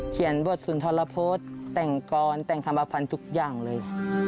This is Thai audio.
เขียนบทสุนทรพจน์แต่งกรรมแต่งคำพันธุ์ทุกอย่างเลย